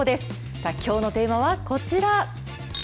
さあきょうのテーマはこちら。